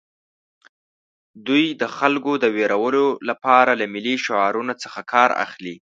دوی د خلکو د ویرولو لپاره له ملي شعارونو څخه کار اخلي